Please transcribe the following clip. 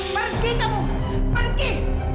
pergi kamu pergi